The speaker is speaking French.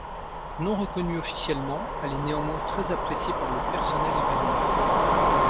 Non reconnue officiellement, elle est néanmoins très appréciée par le personnel hivernant.